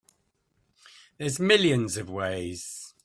There's millions of ways.